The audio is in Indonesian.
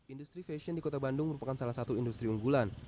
industri fashion di kota bandung merupakan salah satu industri unggulan